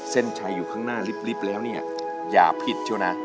เส้นชัยอยู่ข้างหน้าลิฟต์แล้วเนี่ยอย่าผิดใช่ไหม